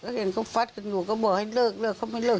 เห็นเขาฟัดกันหนูก็บอกให้เลิกเลิกเขาไม่เลิก